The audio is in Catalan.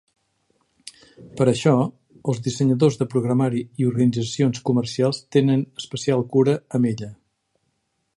Per això, els dissenyadors de programari i organitzacions comercials tenen especial cura amb ella.